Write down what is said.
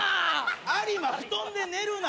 有馬布団で寝るな！